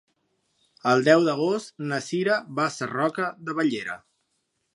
El deu d'agost na Cira va a Sarroca de Bellera.